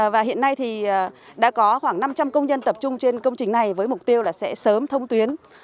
và hiện nay thì đã có khoảng năm trăm linh công nhân tập trung trên công trình này với mục tiêu là sẽ sớm thông tuyến